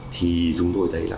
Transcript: thì chúng tôi thấy là